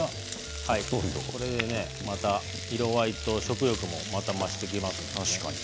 これで、また色合いと食欲もまた増していきます。